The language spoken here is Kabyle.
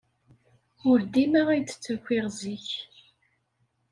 Ur dima ay d-ttakiɣ zik.